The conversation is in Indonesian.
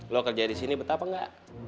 lo kerjain disini betah apa engga